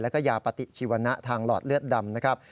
แล้วก็ยาปฏิชีวนะทางหลอดเลือดดำนะครับ